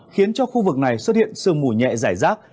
khiến cho khu vực này xuất hiện sương mù nhẹ giải rác